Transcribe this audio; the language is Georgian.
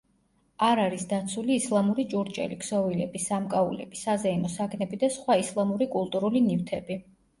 არ არის დაცული ისლამური ჭურჭელი, ქსოვილები, სამკაულები, საზეიმო საგნები და სხვა ისლამური კულტურული ნივთები.